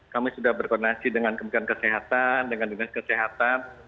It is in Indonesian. kami sudah berkoordinasi dengan kementerian kesehatan dengan dinas kesehatan